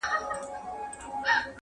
امیر ورکړه یو غوټه د لوټونو-